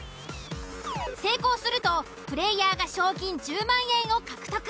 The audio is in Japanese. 成功するとプレイヤーが賞金１０万円を獲得。